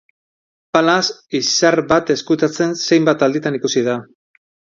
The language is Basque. Palas, izar bat ezkutatzen zenbait alditan ikusi da.